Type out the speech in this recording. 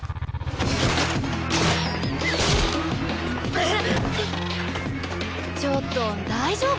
うっちょっと大丈夫？